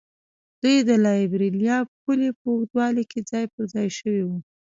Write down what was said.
دوی د لایبیریا پولې په اوږدو کې ځای پر ځای شوي وو.